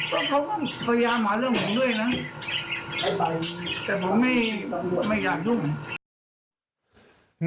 เขาก็ยาวหมาเรื่องผมด้วยนะแต่ผมไม่อยากยุ่ง